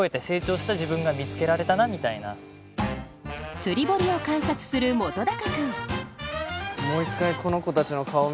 釣り堀を観察する本君